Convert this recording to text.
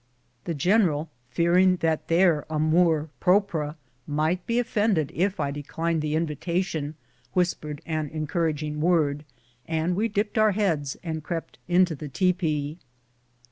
The general, fearing their amour propre might be offended if I declined the invitation, whispered an encouraging word, and we dipped our heads and crept into the tepee.